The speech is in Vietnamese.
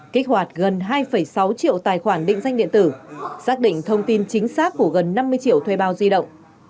kích hoạt gần hai sáu triệu tài khoản định danh điện tử xác định thông tin chính xác của gần năm mươi triệu thuê bao di động